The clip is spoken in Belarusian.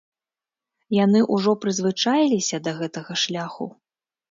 Яны ўжо прызвычаіліся да гэтага шляху.